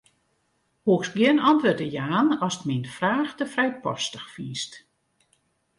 Hoechst gjin antwurd te jaan ast myn fraach te frijpostich fynst.